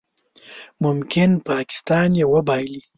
ممکن پاکستان یې وبایلي